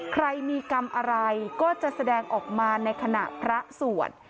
ใครมีกรรมอะไรก็จะแสดงออกมาในขณะพระสวด